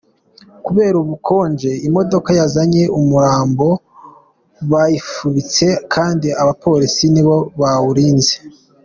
Kubera ubukonje, imodoka yazanye umurambo bayifubitse kandi abapolisi nibo bawurinze!.